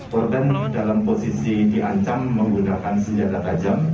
korban dalam posisi diancam menggunakan senjata tajam